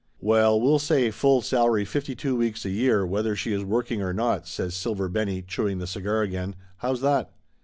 "Well, we'll say full salary fifty two weeks a year, whether she is working or not," says Silver Benny, chewing the cigar again. "How's that?"